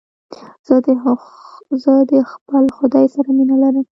زه د خپل خداى سره مينه لرم.